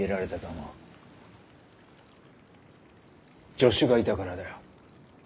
助手がいたからだよ。